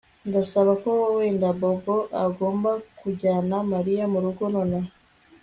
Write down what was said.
Ndasaba ko wenda Bobo agomba kujyana Mariya murugo nonaha